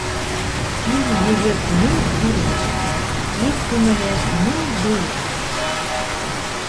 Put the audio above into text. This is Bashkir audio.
Ир-егет ни күрмәй, ир күңеле ни белмәй.